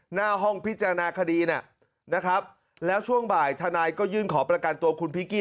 หน้าห้องพิจารณาคดีนะครับแล้วช่วงบ่ายทนายก็ยื่นขอประกันตัวคุณพิงกี้